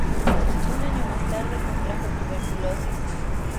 Un año más tarde, contrajo tuberculosis.